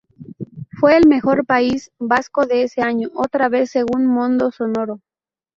Fue el mejor país vasco de ese año, otra vez según Mondo Sonoro.